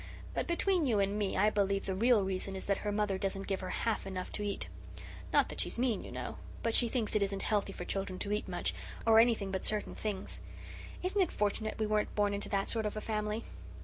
But, between you and me, I believe the real reason is that her mother doesn't give her half enough to eat. Not that she's mean, you know but she thinks it isn't healthy for children to eat much, or anything but certain things. Isn't it fortunate we weren't born into that sort of a family?"